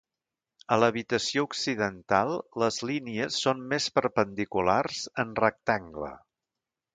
A l'habitació occidental les línies són més perpendiculars en rectangle.